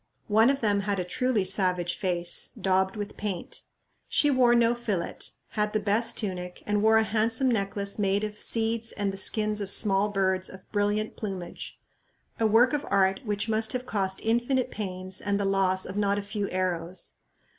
One of them had a truly savage face, daubed with paint. She wore no fillet, had the best tunic, and wore a handsome necklace made of seeds and the skins of small birds of brilliant plumage, a work of art which must have cost infinite pains and the loss of not a few arrows.